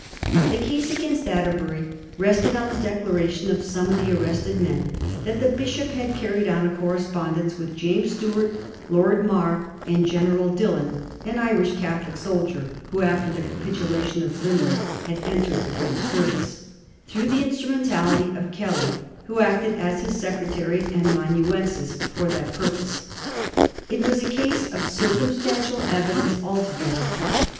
The case agunst Atterbury rested on the declaration of some of the arrested men that the bishop had carried on a corre spondence with James Stuart, Lord Mar, and General Dillon (an Ldsh Catholic soldier, who after the capitulation of Limerick had entered the French service), through the instrumentality of Kelly, who acted as his secretary and amanuensis for that pur pose. It was a case of circumstantial evidence alto gether.